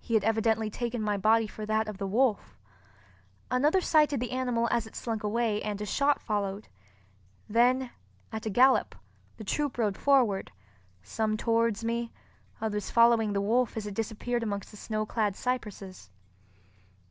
He had evidently taken my body for that of the wolf. Another sighted the animal as it slunk away, and a shot followed. Then, at a gallop, the troop rode forward—some towards me, others following the wolf as it disappeared amongst the snow clad cypresses.